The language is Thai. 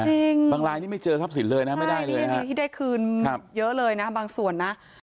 จริงใช่นี่ที่ได้คืนเยอะเลยนะบางส่วนนะบางรายนี้ไม่เจอทรัพย์สินเลยนะ